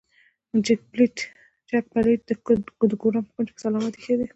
جک پلیټ د ګدام په کونج کې سلامت ایښی دی.